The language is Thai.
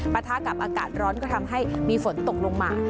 ปะทะกับอากาศร้อนก็ทำให้มีฝนตกลงมา